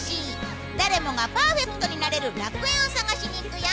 誰もがパーフェクトになれる楽園を探しに行くよ。